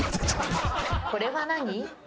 これは何？